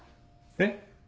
えっ？